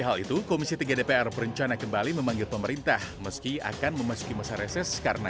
hal itu komisi tiga dpr berencana kembali memanggil pemerintah meski akan memasuki masa reses karena